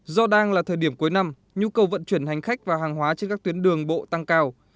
do đang là thời điểm cuối năm nhu cầu vận chuyển hành khách và hàng hóa trên các tuyến đường bộ tăng cao